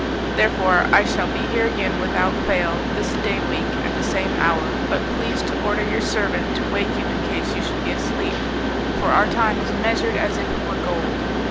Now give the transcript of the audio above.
Therefore I shall be here again, without fail, this day week at the same hour, but please to order your servant to wake you in case you should be asleep, for our time is measured as if it were gold.